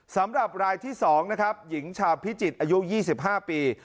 สำหรับรายที่๒นะครับหญิงชาวพิจิตรอายุ๒๕ปี